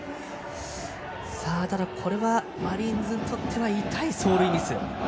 これはマリーンズにとっては痛い走塁ミス。